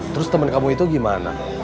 terus temen kamu itu gimana